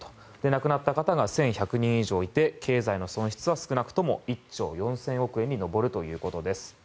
亡くなった方が１１００人以上いて経済の損失は少なくとも１兆４０００億円に上るということです。